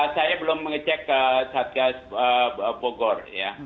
saya belum mengecek satgas bogor